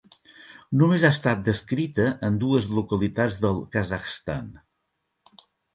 Només ha estat descrita en dues localitats del Kazakhstan.